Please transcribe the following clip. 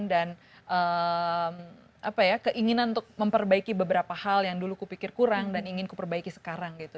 dan keinginan untuk memperbaiki beberapa hal yang dulu kupikir kurang dan ingin kuperbaiki sekarang gitu